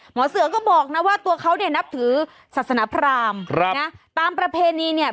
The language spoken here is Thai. หมอเสือก็บอกนะว่าตัวเขาเนี่ยนับถือศาสนพรามนะตามประเพณีเนี่ย